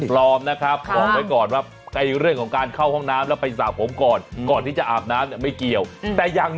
พร้อมนะครับพอกไว้ก่อนว่า